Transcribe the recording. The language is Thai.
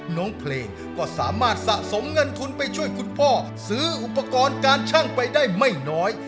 น้องเพลงก็สามารถสะสมเงินทุนไปช่วยคุณพ่อซื้ออุปกรณ์การชั่งไปได้ไม่น้อย